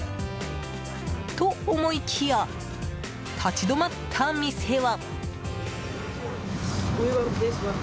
と、思いきや立ち止まった店は。